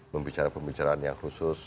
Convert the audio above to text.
membicara pembicaraan yang khusus